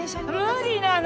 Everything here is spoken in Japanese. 無理なの！